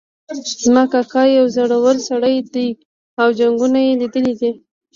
زما کاکا یو زړور سړی ده او جنګونه یې لیدلي دي